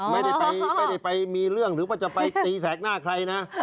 ไม่ได้ไปมีเรื่องหรือว่าจะไปตีแสกหน้าใครนะ